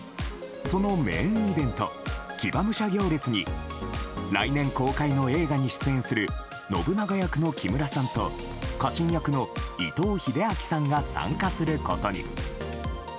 そのメインイベント騎馬武者行列に来年公開の映画に出演する信長役の木村さんと家臣役の伊藤英明さんが参加することに。